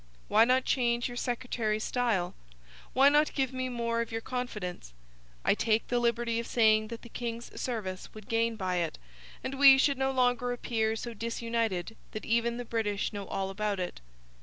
Why not change your secretary's style? Why not give me more of your confidence? I take the liberty of saying that the king's service would gain by it, and we should no longer appear so disunited that even the British know all about it.